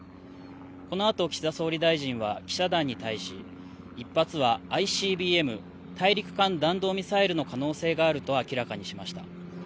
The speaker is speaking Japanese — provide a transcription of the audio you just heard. このあと、岸田総理大臣は記者団に対し、１発はＩＣＢＭ・大陸間弾道ミサイルの可能性があると明らかにしました。